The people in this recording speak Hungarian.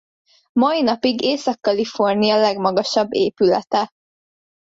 Mai napig Észak Kalifornia legmagasabb épülete.